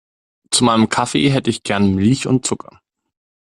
Zu meinem Kaffee hätte ich gern Milch und Zucker.